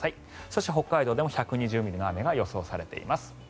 そして北海道でも１２０ミリの雨が予想されています。